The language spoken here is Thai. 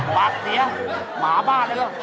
หมาเสียหมาบ้าเลยหรือ